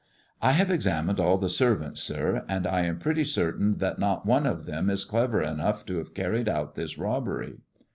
" I have examined all the servants, sir, and I am pretty srtain that not one of them is clever enough to have irried out this robbery.